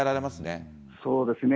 そうですね。